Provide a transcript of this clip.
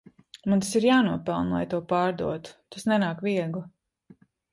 Man tas ir jānopelna lai to pārdotu, tas nenāk viegli.